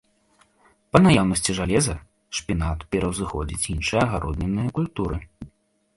Па наяўнасці жалеза шпінат пераўзыходзіць іншыя агароднінныя культуры.